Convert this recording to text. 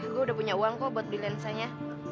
gue udah punya uang kok buat bilensanya